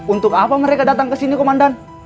untuk apa mereka datang ke sini komandan